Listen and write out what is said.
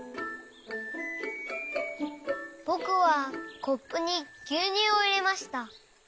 ぼくはコップにぎゅうにゅうをいれました。